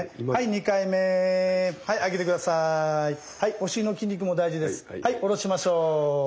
はい下ろしましょう。